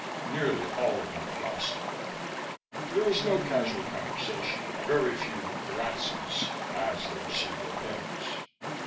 Nearly all of them were hostile. There was no casual conversation, very few "Grazies" as they received their payments.